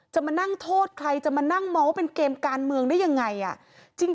จะมานั่งโทษใครจะมานั่งมองว่าเป็นเกมการเมืองได้ยังไง